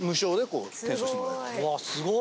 うわっすごい！